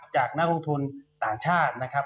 นักลงทุนต่างชาตินะครับ